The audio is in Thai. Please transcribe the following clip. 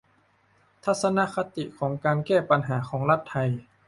ทัศนคติของการแก้ปัญหาของรัฐไทย